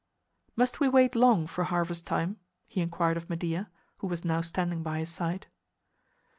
"Must we wait long for harvest time?" he inquired of Medea, who was now standing by his side.